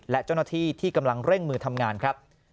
และเจ้าหน้าที่ที่กำลังเร่งมือทำงานครับ